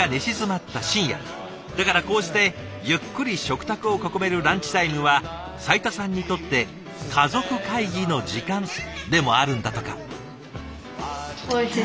だからこうしてゆっくり食卓を囲めるランチタイムは斉田さんにとって家族会議の時間でもあるんだとか。